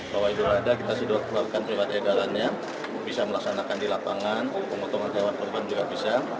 bahwa idul adha kita sudah melakukan peringkat edarannya bisa melaksanakan di lapangan pemotongan hewan kurban juga bisa